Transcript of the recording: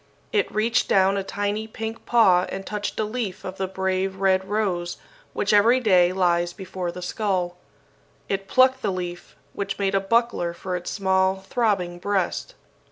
It reached down a tiny pink paw and touched a leaf of the brave red rose which every day lies before the skull. It plucked the leaf, which made a buckler for its small throbbing breast.